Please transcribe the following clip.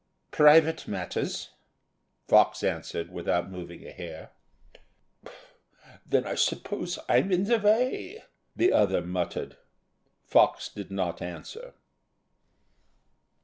"Private matters," Fox answered, without moving a hair. "Then I suppose I'm in the way?" the other muttered. Fox did not answer.